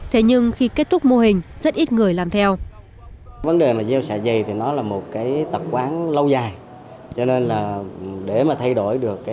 thế nhưng khi kết thúc mô hình rất ít người làm theo